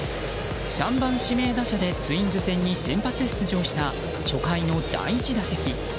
３番指名打者でツインズ戦に先発出場した初回の第１打席。